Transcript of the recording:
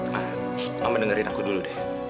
ma mama dengerin aku dulu deh